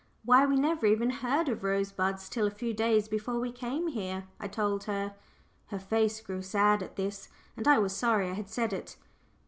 "Why, we never even heard of Rosebuds till a few days before we came here," I told her. Her face grew sad at this, and I was sorry I had said it.